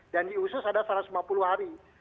dan diusus ada satu ratus lima puluh hari